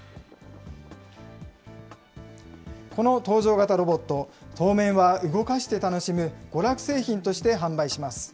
この搭乗型ロボット、当面は動かして楽しむ娯楽製品として販売します。